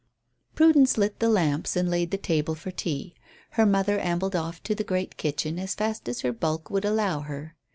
Prudence lit the lamps and laid the table for tea. Her mother ambled off to the great kitchen as fast as her bulk would allow her.